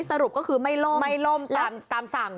สรุปก็คือไม่ล่มไม่ล่มตามสั่ง